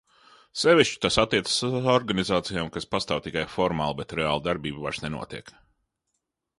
Sevišķi tas attiecas uz organizācijām, kas pastāv tikai formāli, bet reāli darbība vairs nenotiek.